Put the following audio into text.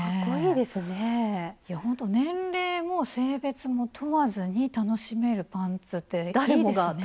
いやほんと年齢も性別も問わずに楽しめるパンツっていいですね。